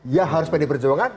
ya harus pdi perjuangan